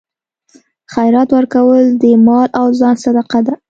خیرات ورکول د مال او ځان صدقه ده.